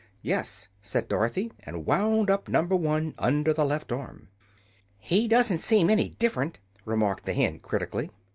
"Yes," said Dorothy, and wound up Number One, under the left arm. "He doesn't seem any different," remarked the hen, critically.